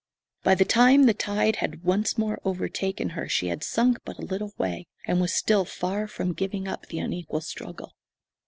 By the time the tide had once more overtaken her she had sunk but a little way, and was still far from giving up the unequal struggle.